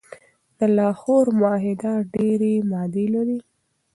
د لاهور معاهده ډیري مادي لري.